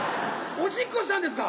おしっこしたんですか